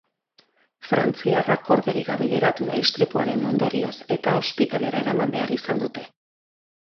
Frantziarra korderik gabe geratu da istripuaren ondorioz eta ospitalera eraman behar izan dute.